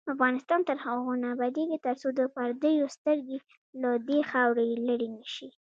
افغانستان تر هغو نه ابادیږي، ترڅو د پردیو سترګې له دې خاورې لرې نشي.